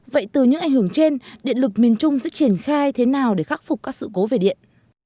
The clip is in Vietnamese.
vậy từ những ảnh hưởng trên điện lực miền trung sẽ triển khai thế nào để khắc phục các sự cố về điện